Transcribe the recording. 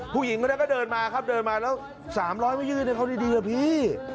ผู้หญิงกันนั้นก็เดินมาครับเดินมาแล้ว๓๐๐ไม่ยืดนะครับดีอ่ะพี่